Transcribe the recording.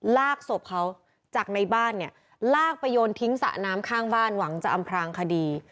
ลากศพเขาจากในบ้านเนี่ยลากไปโยนทิ้งสระน้ำข้างบ้านหวังจะอำพลางคดี